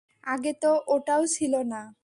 আগে তো ওটাও ছিল না।